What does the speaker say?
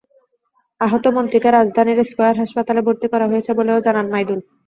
আহত মন্ত্রীকে রাজধানীর স্কয়ার হাসপাতালে ভর্তি করা হয়েছে বলেও জানান মাইদুল।